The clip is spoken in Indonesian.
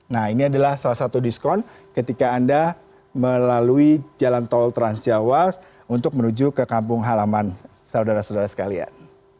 nah ini adalah salah satu diskon ketika anda melalui jalan tol transjawa untuk menuju ke kampung halaman saudara saudara sekalian